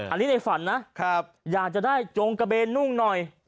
อันนี้ในฝันนะอยากจะได้จงกระเบนนุ่งหน่อย